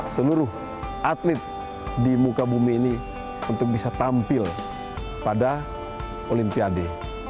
seluruh atlet di muka bumi ini untuk bisa tampil pada olimpiade